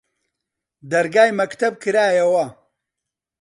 دەرگای مەکتەب کرایەوە